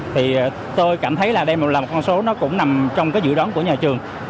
thì tôi cảm thấy là đây là một con số nó cũng nằm trong cái dự đoán của nhà trường